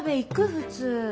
普通。